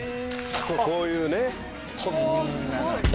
こういうね。